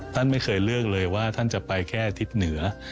ท่านไม่เคยเลือกเลยว่าท่านจะไปแค่ทิศเหนือ